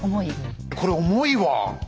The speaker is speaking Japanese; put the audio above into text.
これ重いわ！